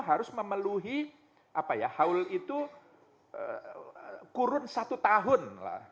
harus memenuhi haul itu kurun satu tahun lah